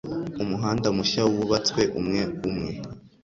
Umuhanda mushya wubatswe umwe umwe.